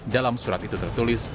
dalam surat itu tertulis